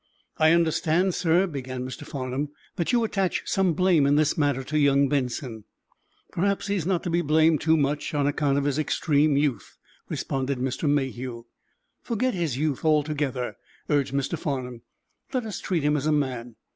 "I understand, sir," began Mr. Farnum, "that you attach some blame in this matter to young Benson?" "Perhaps he is not to be blamed too much, on account of his extreme youth," responded Mr. Mayhew. "Forget his youth altogether," urged Mr. Farnum. "Let us treat him as a man.